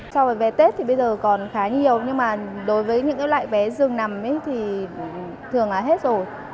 so với vé tết thì bây giờ còn khá nhiều nhưng mà đối với những loại vé dường nằm thì thường là hết rồi